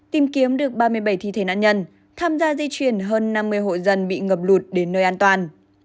tìm kiếm được ba mươi bảy thi thể nạn nhân tham gia di chuyển hơn năm mươi hộ dân bị ngập lụt đến nơi an toàn